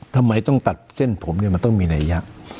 ทำไมต้องตัดเส้นผมเนี่ยมันต้องมีนัยยะ